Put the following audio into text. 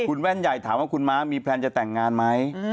คุณแว่นใหญ่ถามว่าคุณม้ามีแพลนจะแต่งงานไหม